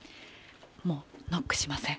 もうノックしません。